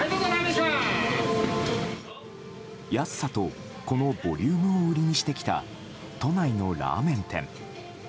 安さと、このボリュームを売りにしてきた都内のラーメン店。